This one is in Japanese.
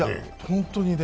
本当にね！